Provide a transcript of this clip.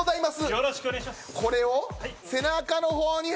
よろしくお願いします